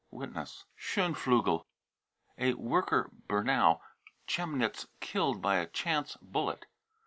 (Witness.) scheunflugel, a worker, Bernau, Chemnitz, killed by a " chance bullet."